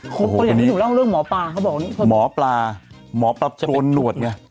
โอ้โหอย่างนี้อยู่เรื่องหมอปาเขาบอกนี้หมอปลาหมอปลาโกนหนวดไง